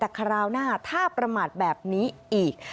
แต่คราวหน้าถ้าประมาทแบบนี้อีก